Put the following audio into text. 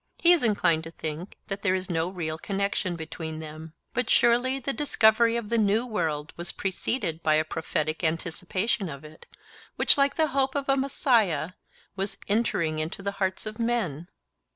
He is inclined to think that there is no real connexion between them. But surely the discovery of the New World was preceded by a prophetic anticipation of it, which, like the hope of a Messiah, was entering into the hearts of men?